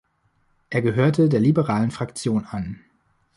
Er gehörte der liberalen Fraktion an.